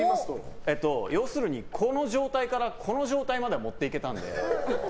この状態からこの状態までもっていけたので。